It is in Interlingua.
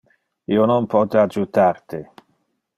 Io non pote adjutar te.